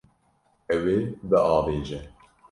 Ew ê biavêje.